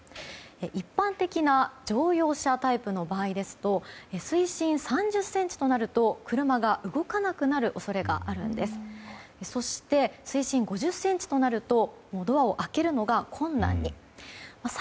一般的な乗用車タイプの場合ですと水深３０ｃｍとなると車が動かなくなる恐れがあるんです。